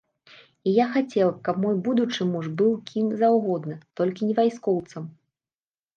І я хацела б, каб мой будучы муж быў кім заўгодна, толькі не вайскоўцам.